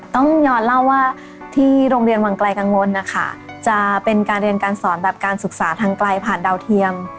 ต้องย้อนเล่าว่าที่โรงเรียนวังไกลกังวลนะคะจะเป็นการเรียนการสอนแบบการศึกษาทางไกลผ่านดาวเทียม